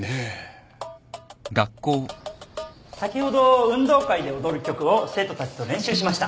先ほど運動会で踊る曲を生徒たちと練習しました。